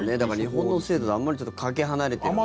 日本の制度とは、あまりにかけ離れているのかなと。